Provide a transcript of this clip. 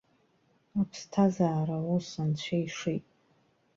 Аԥсҭазаара ус анцәа ишеит.